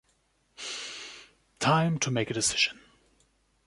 Time to make a decision.